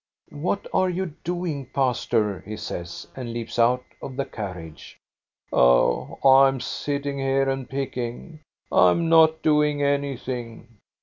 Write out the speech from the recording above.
"What are you doing, pastor?" he says, and leaps out of the carriage. "Oh, I am sitting here and picking. I am not doing anything."